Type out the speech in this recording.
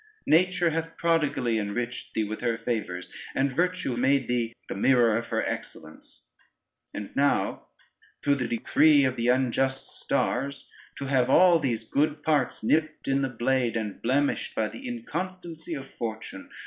Nature hath prodigally enriched thee with her favors, and virtue made thee the mirror of her excellence; and now, through the decree of the unjust stars, to have all these good parts nipped in the blade, and blemished by the inconstancy of fortune!